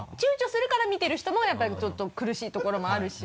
躊躇するから見てる人もやっぱりちょっと苦しい所もあるし。